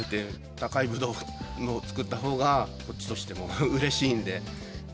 高いブドウを作ったほうが、こっちとしてもうれしいんで。